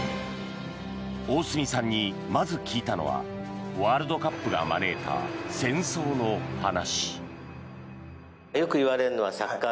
大住さんにまず聞いたのはワールドカップが招いた戦争の話。